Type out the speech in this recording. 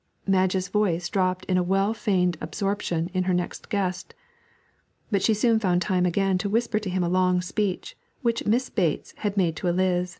Madge's voice dropped in a well feigned absorption in her next guest; but she soon found time again to whisper to him a long speech which Miss Bates had made to Eliz.